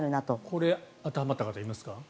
これ当てはまった方はいますか？